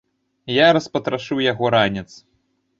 Я распатрашыў яго ранец.